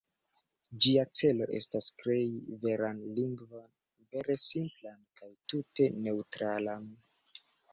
Ĝia celo estas krei veran lingvon, vere simplan kaj tute neŭtralan.